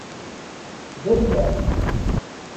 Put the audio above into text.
D ayla-m.